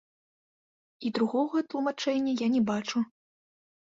І другога тлумачэння я не бачу.